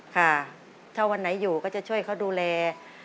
ค่ะถ้าวันไหนอยู่ก็จะช่วยเขาดูแล